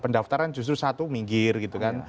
pendaftaran justru satu minggir gitu kan